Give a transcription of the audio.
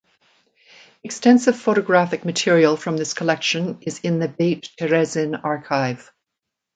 Extensive photographic material from this collection is in the Beit Terezin archive.